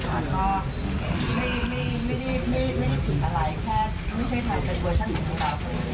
ได้อย่างนี้นะก็ดูแหละ